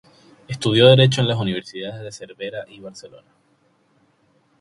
Estudió Derecho en las universidades de Cervera y Barcelona.